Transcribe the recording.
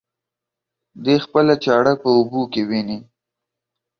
دى خپله چاړه په اوبو کې ويني.